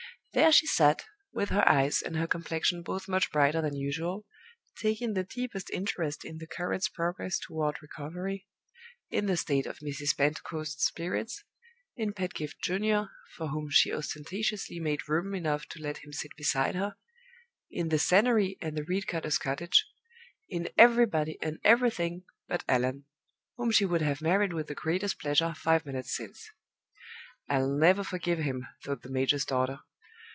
There she sat, with her eyes and her complexion both much brighter than usual, taking the deepest interest in the curate's progress toward recovery; in the state of Mrs. Pentecost's spirits; in Pedgift Junior (for whom she ostentatiously made room enough to let him sit beside her); in the scenery and the reed cutter's cottage; in everybody and everything but Allan whom she would have married with the greatest pleasure five minutes since. "I'll never forgive him," thought the major's daughter.